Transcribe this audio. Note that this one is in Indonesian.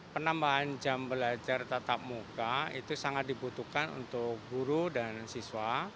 penambahan jam belajar tatap muka itu sangat dibutuhkan untuk guru dan siswa